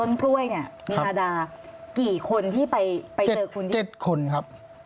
ไม่กี่ก้าวเองครับ